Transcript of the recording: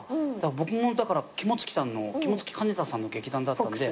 僕もだから肝付さんの肝付兼太さんの劇団だったんで。